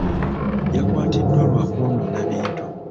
Yakwatiddwa lwa kwonoona bintu.